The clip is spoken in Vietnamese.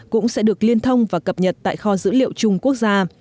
cũng sẽ được liên thông và cập nhật tại kho dữ liệu chung quốc gia